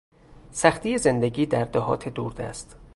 سختی زندگی در دهات دوردست